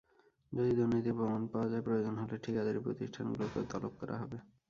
যদি দুর্নীতির প্রমাণ পাওয়া যায়, প্রয়োজন হলে ঠিকাদারি প্রতিষ্ঠানগুলোকেও তলব করা হবে।